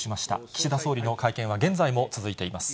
岸田総理の会見は現在も続いています。